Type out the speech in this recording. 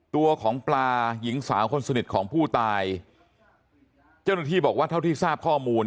ตัวของปลาหญิงสาวคนสนิทของผู้ตายเจ้าหน้าที่บอกว่าเท่าที่ทราบข้อมูล